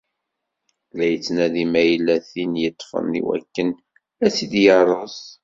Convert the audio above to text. La yettnadi ma yella tinn yeṭṭfen i wakken ad tt-id-yeṛṛez.